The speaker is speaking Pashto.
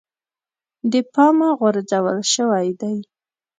د پامه غورځول شوی دی.